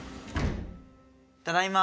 ただいま。